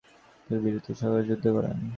তিনি বীরত্ব সহকারে যুদ্ধ করেন।